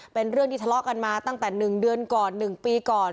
เป็นเรื่องที่ทะเลาะกันมาตั้งแต่๑เดือนก่อน๑ปีก่อน